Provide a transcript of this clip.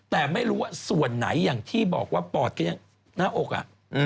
แต่ไม่รู้ว่าส่วนไหนอย่างที่บอกว่าปอดก็ยังหน้าอกอ่ะ